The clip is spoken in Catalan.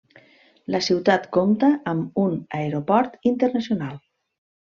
La ciutat compta amb un aeroport internacional.